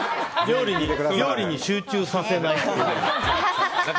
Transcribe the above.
料理に集中させない。